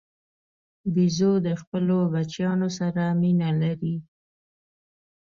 بیزو د خپلو بچیانو سره مینه لري.